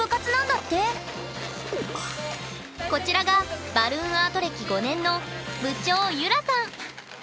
こちらがバルーンアート歴５年の部長ゆらさん。